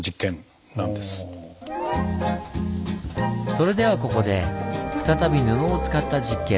それではここで再び布を使った実験。